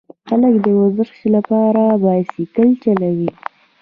خلک د ورزش لپاره بایسکل چلوي.